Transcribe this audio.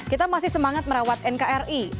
kita masih semangat merawat nkri